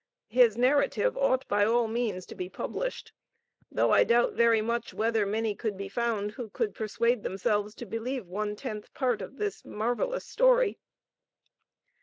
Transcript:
his narrative ought, by all means, to be published, though I doubt very much whether many could be found who could persuade themselves to believe one tenth part of this marvellous story.